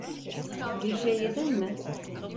Bir şey yedin mi?